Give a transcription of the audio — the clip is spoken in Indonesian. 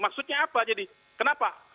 maksudnya apa jadi kenapa